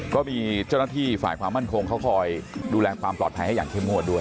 ก็มีเจ้าหน้าที่ฝ่ายความมั่นคงเขาคอยดูแลความปลอดภัยให้อย่างเข้มงวดด้วย